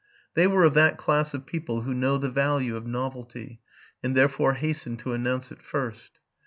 They were of that class of people who know the value of novelty, and therefore hasten to announce it first.